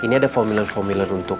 ya ini ada formula formula untuk